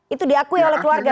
itu diakui oleh keluarga